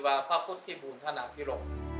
พระพระพุทธพิบูรณ์ท่านาภิรม